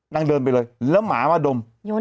เดินไปเลยแล้วหมามาดม